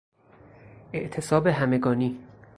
اعتصاب همگانی